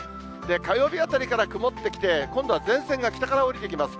火曜日あたりから曇ってきて、今度は前線が北から下りてきます。